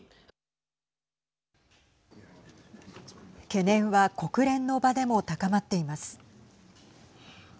懸念は国連の場でも高まっています。